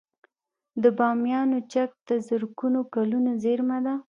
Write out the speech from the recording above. د بامیانو چک د زرګونه کلونو زیرمه ده